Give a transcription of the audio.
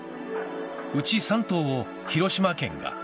うち３棟を広島県が。